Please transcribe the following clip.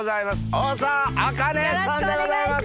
大沢あかねさんでございます。